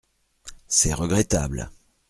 C’est regrettable.